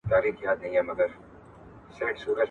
« ته به ښه سړی یې خو زموږ کلی مُلا نه نیسي» ,